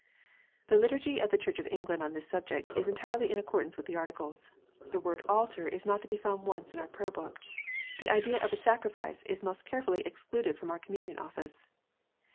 The Liturgy of the Church of England on this subject is entirely in accordance with the Articles. The word " altar " is not to be found once in our Prayer book. The idea of a "sacrifice" is most carefully excluded from our Communion ( )ffice.